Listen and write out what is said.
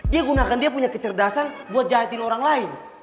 dia gunakan dia punya kecerdasan buat jahatin orang lain